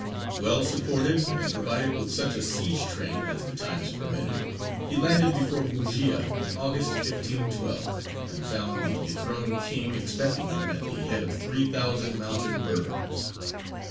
_)] Well supported, and provided with such a siege train as the times permitted, he landed before Bujēya in August, 1512, and found the dethroned king expecting him at the head of three thousand mountain Berbers.